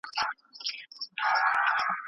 مور د ماشوم د روغتيا بدلون ژر ويني.